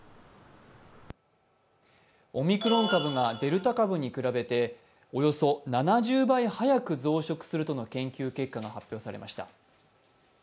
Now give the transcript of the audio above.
オミクロン株がデルタ株に比べておよそ７０倍早く増殖するとの研究結果が発表されました。